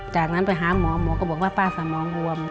จากนั้นไปหาหมอหมอก็บอกว่าป้าสมองบวม